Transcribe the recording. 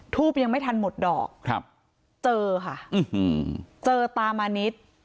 ทูบยังไม่ทันหมดดอกครับเจอค่ะเจอตามานิด